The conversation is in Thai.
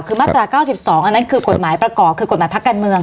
คือมาตรา๙๒อันนั้นคือกฎหมายประกอบคือกฎหมายพักการเมือง